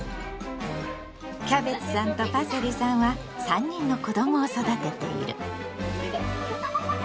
キャベツさんとパセリさんは３人の子どもを育てている。